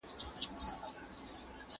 کوټه اوس د یوې معنوي روژې په څېر پاکه وه.